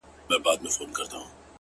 • چي په ټولو حیوانانو کي نادان وو,